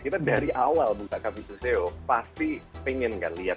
kita dari awal buka kopi cusio pasti ingin kan lihat